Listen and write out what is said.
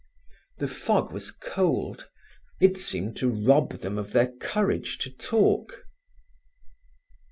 The fog was cold. It seemed to rob them of their courage to talk.